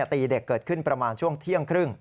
ตีเด็กเกิดขึ้นประมาณช่วงเที่ยงครึ่ง